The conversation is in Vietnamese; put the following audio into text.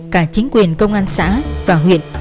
cả chính quyền công an xã và huyện